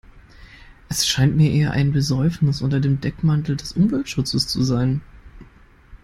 Es scheint mir eher ein Besäufnis unter dem Deckmantel des Umweltschutzes zu sein.